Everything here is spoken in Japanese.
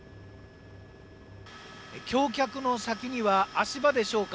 橋脚の先には足場でしょうか。